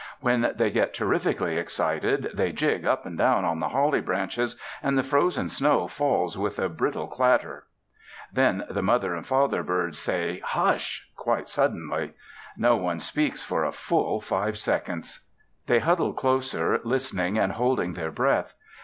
When they get terrifically excited, they jig up and down on the holly branches and the frozen snow falls with a brittle clatter. Then the mother and father birds say, "Hush!" quite suddenly. No one speaks for a full five seconds. They huddle closer, listening and holding their breath.